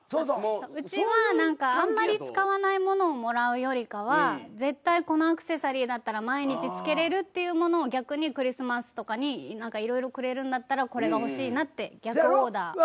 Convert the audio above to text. うちは何かあんまり使わない物をもらうよりかは絶対このアクセサリーだったら毎日着けれるっていう物を逆にクリスマスとかに何かいろいろくれるんだったらこれが欲しいなって逆オーダー。